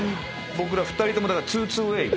僕ら２人ともツーツーウェイ。